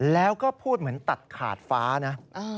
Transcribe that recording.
แล้วก็พูดเหมือนตัดขาดฟ้านะ